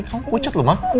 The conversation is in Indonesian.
kamu pucat lho ma